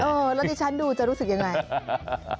เออแล้วที่ฉันดูจะรู้สึกอย่างไร